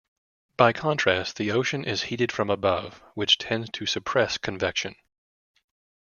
By contrast the ocean is heated from above, which tends to suppress convection.